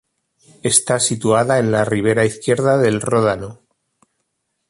Está situada en la ribera izquierda del Ródano.